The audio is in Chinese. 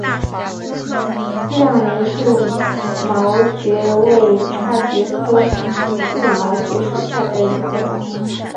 亮鳞肋毛蕨为叉蕨科肋毛蕨属下的一个种。